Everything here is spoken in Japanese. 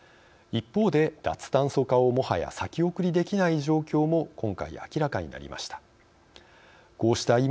一方で、脱炭素化をもはや先送りできない状況も今回、明らかになりました。